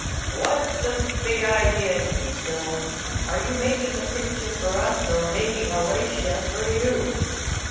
"What's the big idea?" he spills. "Are you making a picture for us, or making Alatia for you?"